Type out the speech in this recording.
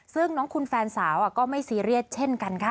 ซึ่งน้องคุณแฟนสาวก็ไม่ซีเรียสเช่นกันค่ะ